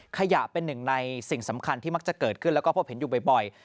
ขยะเป็นหนึ่งในสิ่งสำคัญที่มักจะเกิดขึ้นแล้วก็พบเห็นอยู่บ่อย